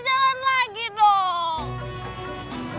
jalan lagi dong